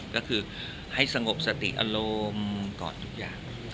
ก็คือให้สงบสติอารมณ์ก่อนทุกอย่าง